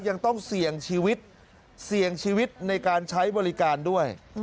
ยังต้องเสี่ยงชีวิตเสี่ยงชีวิตในการใช้บริการด้วย